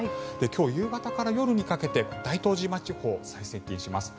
今日夕方から夜にかけて大東島地方に最接近します。